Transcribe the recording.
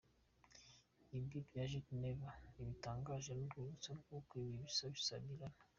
Ibi bya Judi Rever ntibitangaje ni urwibutso rw’uko ibisa bisabirana.